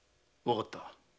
わかった。